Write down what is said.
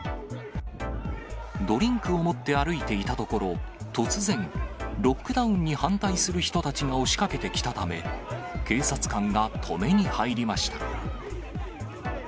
ドリンクを持って歩いていたところ、突然、ロックダウンに反対する人たちが押しかけてきたため、警察官が止めに入りました。